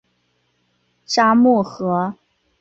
札木合。